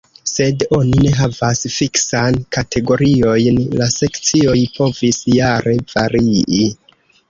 Sed oni ne havas fiksan kategoriojn; la sekcioj povis jare varii.